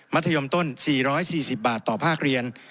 ธยมต้น๔๔๐บาทต่อภาคเรียน